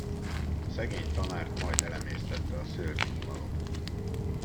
A szegény tanárt majd elemésztette a szörnyű unalom.